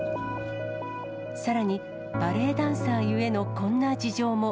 さらにバレエダンサーゆえのこんな事情も。